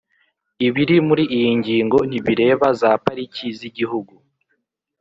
Ibiri muri iyi ngingo ntibireba za Pariki z Igihugu